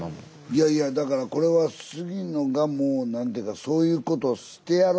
いやいやだからこれは杉野がもう何て言うかそういうことをしてやろうという雰囲気があんねやろね。